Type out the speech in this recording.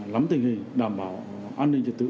lắm tình hình đảm bảo an ninh trật tự